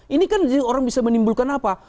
ini kan orang bisa menimbulkan apa